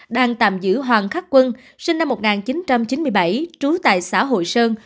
đang tạm giữ hoàng khắc quân sinh năm một nghìn chín trăm chín mươi bảy trú tại xã hội sơn